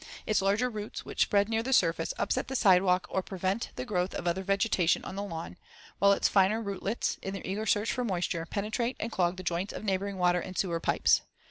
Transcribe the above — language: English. Its larger roots, which spread near the surface, upset the sidewalk or prevent the growth of other vegetation on the lawn, while its finer rootlets, in their eager search for moisture, penetrate and clog the joints of neighboring water and sewer pipes.